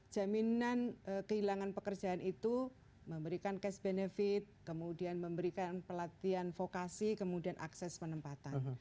jaminan kehilangan pekerjaan itu memberikan cash benefit kemudian memberikan pelatihan vokasi kemudian akses penempatan